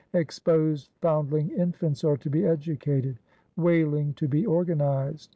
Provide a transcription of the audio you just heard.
" Exposed foundling infants are to be educated." "Whaling to be organized."